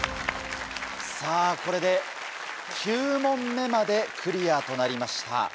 さぁこれで９問目までクリアとなりました。